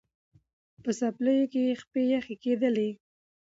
په څپلیو کي یې پښې یخی کېدلې